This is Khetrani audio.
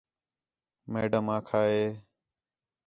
میڈم آکھا ہے